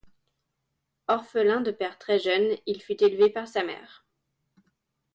Orphelin de père très jeune, il fut élevé par sa mère.